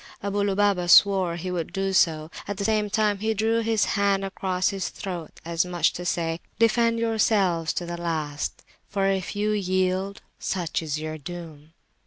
Abu Lubabah swore he would do so: at the same time, he drew his hand across his throat, as much as to say, "Defend yourselves to the last, for if you yield, such is your doom."